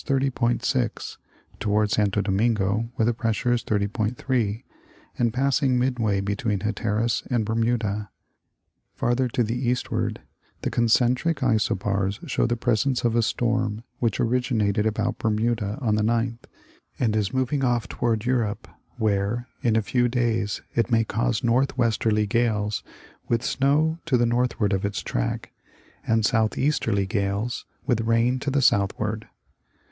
6, toward Santo Domingo, where the pressure is 30.3, and passing midway between Hatteras and Bermuda. Farther to the eastward the concentric isobars show the presence of a storm which originated about Bermuda on the 9th, and is moving off toward Europe where, in a few days, it may cause northwesterly gales with snow to the northward of its track, and southeasterly gales with rain to the southward.